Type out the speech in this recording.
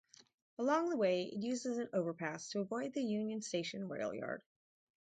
Along the way, it uses an overpass to avoid the Union Station rail yard.